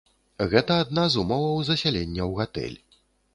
Гэта адна з умоваў засялення ў гатэль.